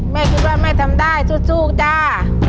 แม่คิดว่าแม่ทำได้สู้จ้า